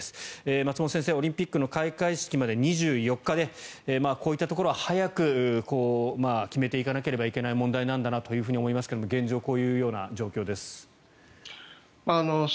松本先生オリンピックの開会式まで２４日で、こういったところは早く決めていかなければいけない問題なんだなと思いますが現状、こういうような状況です。